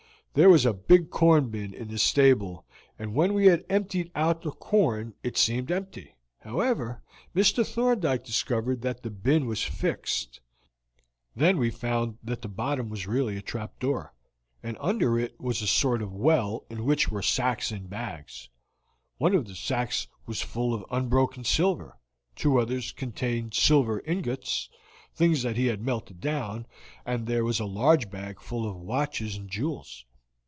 There was a big corn bin in the stable, and when we had emptied out the corn it seemed empty. However, Mr. Thorndyke discovered that the bin was fixed. Then we found that the bottom was really a trap door, and under it was a sort of well in which were sacks and bags. One of the sacks was full of unbroken silver, two others contained silver ingots, things that he had melted down, and there was a large bag full of watches and jewels.